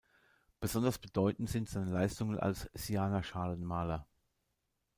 Besonders bedeutend sind seine Leistungen als Siana-Schalen-Maler.